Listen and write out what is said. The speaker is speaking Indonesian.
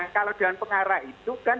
kalau dewan pengarah itu kan